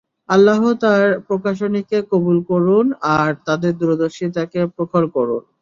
আল্লাহ তাঁর প্রকাশনীকে কবুল করুন আর তাঁর দূরদর্শিতাকে প্রখর করুন।